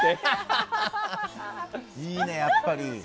いいね、やっぱり。